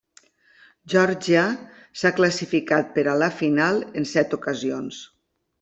Geòrgia s'ha classificat per a la final en set ocasions.